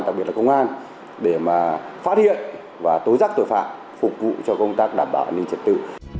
đặc biệt là công an để mà phát hiện và tối giác tội phạm phục vụ cho công tác đảm bảo an ninh trật tự